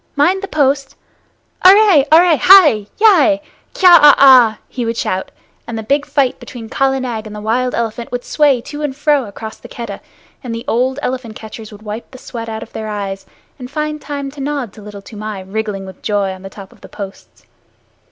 Mind the post! Arre! Arre! Hai! Yai! Kya a ah!" he would shout, and the big fight between Kala Nag and the wild elephant would sway to and fro across the Keddah, and the old elephant catchers would wipe the sweat out of their eyes, and find time to nod to Little Toomai wriggling with joy on the top of the posts.